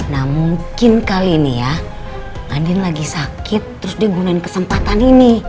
nah mungkin kali ini ya adin lagi sakit terus dia gunain kesempatan ini